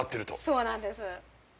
そうなんです。